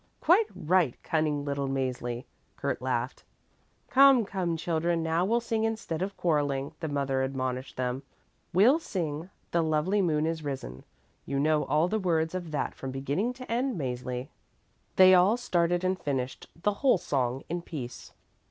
"Quite right, cunning little Mäzli," Kurt laughed. "Come, come, children, now we'll sing instead of quarrelling," the mother admonished them. "We'll sing 'The lovely moon is risen.' You know all the words of that from beginning to end, Mäzli." They all started and finished the whole song in peace.